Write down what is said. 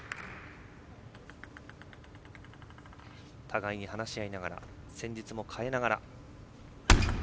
互いに話し合いながら戦術も変えながら。